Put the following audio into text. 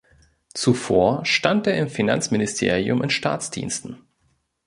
Zuvor stand er im Finanzministerium in Staatsdiensten.